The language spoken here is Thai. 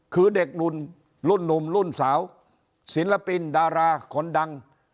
คือเด็กรุ่นหนุ่มรุ่นสาวศิลปินดาราคนดัง